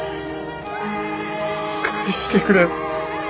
返してくれ。